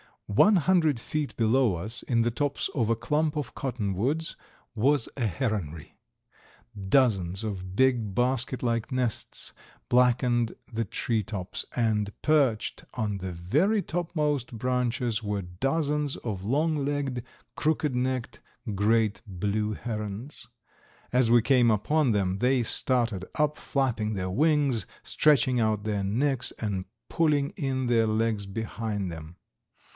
One hundred feet below us, in the tops of a clump of cottonwoods, was a heronry. Dozens of big, basket like nests blackened the tree tops, and perched on the very topmost branches were dozens of long legged, crooked necked, great blue herons. As we came upon them they started up, flapping their wings, stretching out their necks and pulling in their legs behind them.